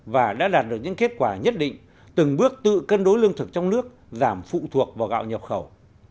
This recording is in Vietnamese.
và đã đạt được những kết quả nhất định từng bước tự cân đối lương thực trong nước giảm phụ thuộc vào gạo nhập khẩu